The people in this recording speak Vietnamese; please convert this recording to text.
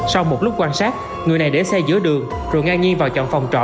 sau một lúc quan sát người này để xe giữa đường rồi ngang nhiên vào chọn phòng trọ